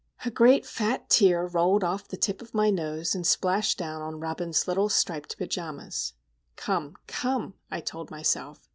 A great fat tear rolled off the tip of my nose, and splashed down on Robin's little striped pajamas. "Come, come," I told myself.